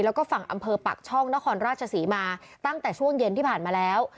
แล้วก็ฝั่งอำเภอปักช่องนครราชศรีมาตั้งแต่ช่วงเย็นที่ผ่านมาแล้ว